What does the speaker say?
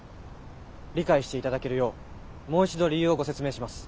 理解していただけるようもう一度理由をご説明します。